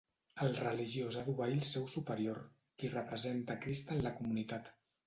El religiós ha d'obeir el seu superior, qui representa Crist en la comunitat.